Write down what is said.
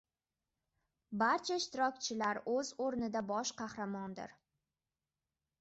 Barcha ishtirokchilar oʻz oʻrnida bosh qahramondir.